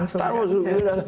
star wars dulu